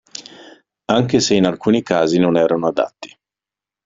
Anche se in alcuni casi non erano adatti.